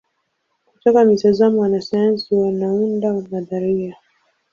Kutoka mitazamo wanasayansi wanaunda nadharia.